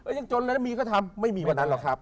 ยังจนเลยนะมีก็ทำไม่มีวันนั้นหรอกครับ